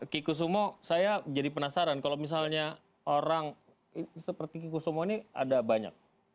kiko sumo saya jadi penasaran kalau misalnya orang seperti kiko sumo ini ada banyak